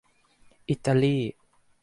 อิตาลี